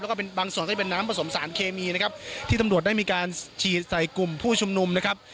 แล้วก็เป็นบางส่วนที่เป็นน้ำผสมสารเคมีนะครับที่ตำรวจได้มีการฉีดใส่กลุ่มผู้ชุมนุมนะครับ